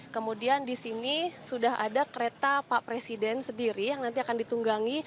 kemudian di sini sudah ada kereta pak presiden sendiri yang nanti akan ditunggangi